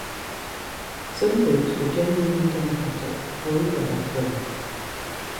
Some groups were genuinely democratic, or even left wing.